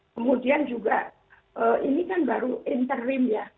kemudian juga ini kan baru interim ya